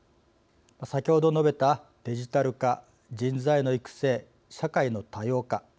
先ほど述べた「デジタル化」「人材の育成」「社会の多様化」。